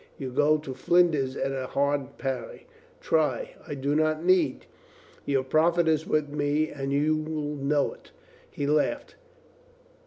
You go to flinders at a hard parry." "Try!" "I do not need. Your profit is with me, and you'll know it." He laughed.